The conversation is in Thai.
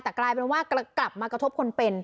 แต่กลายเป็นว่ากลับมากระทบคนเป็น